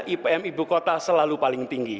ipm ibu kota selalu paling tinggi